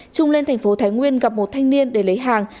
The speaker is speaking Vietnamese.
trung lên thành phố thái nguyên gặp một thanh niên để lấy hàng